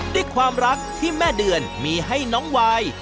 ด้วยความรักที่แม่เดือนมีให้น้องวาย